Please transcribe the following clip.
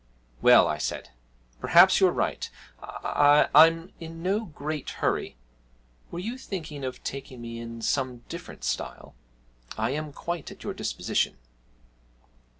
'Well,' I said, 'perhaps you're right. I I'm in no great hurry. Were you thinking of taking me in some different style? I am quite at your disposition.'